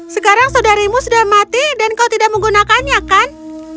sekarang saudarimu sudah mati dan kau tidak menggunakannya kan